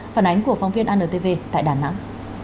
phản ánh của phóng viên anntv tại đà nẵng